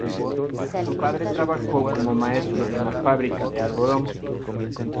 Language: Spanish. Su padre trabajó como maestro de una fábrica de algodón.